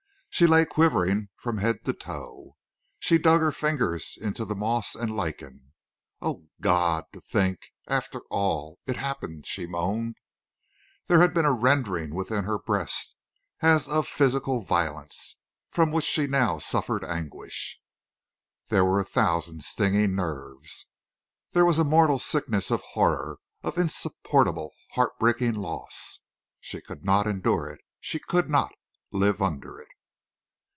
She lay quivering from head to toe. She dug her fingers into the moss and lichen. "Oh, God, to think—after all—it happened!" she moaned. There had been a rending within her breast, as of physical violence, from which she now suffered anguish. There were a thousand stinging nerves. There was a mortal sickness of horror, of insupportable heartbreaking loss. She could not endure it. She could not live under it.